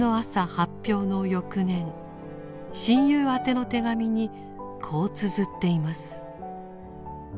発表の翌年親友宛ての手紙にこうつづっています。